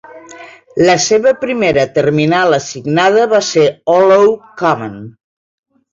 La seva primera terminal assignada va ser Old Oak Common.